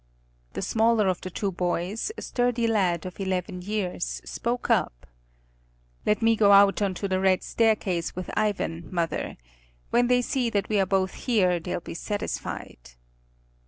The smaller of the two boys, a sturdy lad of eleven years, spoke up: "Let me go out on to the Red Staircase with Ivan, mother. When they see that we are both here they'll be satisfied."